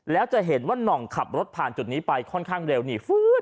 แล้วจะเห็นว่าน่องขับรถผ่านจุดนี้ไปค่อนข้างเร็วนี่ฟื้น